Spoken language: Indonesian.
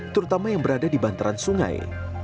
terutama yang berada di bantaran sungai